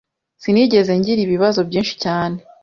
Sinigeze ngira ibibazo byinshi cyane.